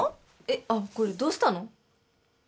あっこれどうしたの？